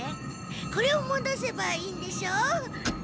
これをもどせばいいんでしょ。